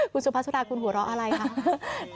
คุณสุภาษาคุณหัวเราะอะไรคะ